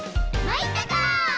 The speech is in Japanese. まいったか」